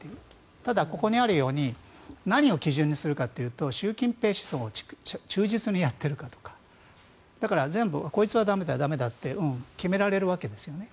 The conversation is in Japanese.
ただ、ここにあるように何を基準にするかというと習近平思想を忠実にやっているかとだから、全部こいつは駄目だ駄目だって決められるわけですよね。